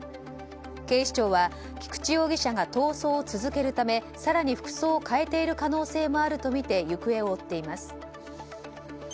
警視庁は菊池容疑者が逃走を続けるため更に服装を変えている可能性もあるとみて行方を追っています。